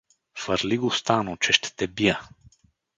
— Фьрли го, Стано, че ще те бия!